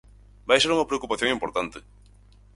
Vai ser unha preocupación importante.